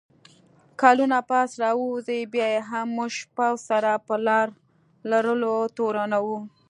کلونه پس راووځي، بیا یې هم موږ پوځ سره په لار لرلو تورنوو